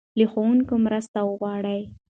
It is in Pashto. له ښوونکي مرسته وغواړه.